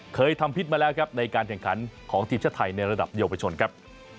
เคยทำพิษมาแล้วครับในการแข่งขันของทีมชาติไทยในระดับเยาวชนครับ